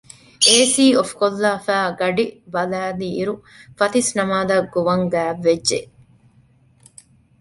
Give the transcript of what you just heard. އޭސީ އޮފްކޮށްލާފައި ގަޑިބަލައިލިއިރު ފަތިސްނަމާދަށް ގޮވަން ގާތްވެއްޖެ